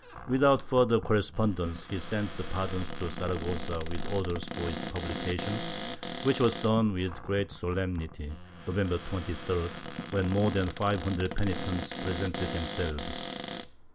Without further correspondence he sent the pardon to Sara gossa with orders for its publication, which was done with great solemnity, November 23d, when more than five hundred penitents presented themselves.